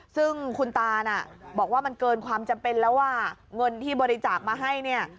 ซึ่งคุณตาน่ะบอกว่ามันเกินความจำเป็นแล้วว่าเงินที่บริจาคมาให้เนี่ย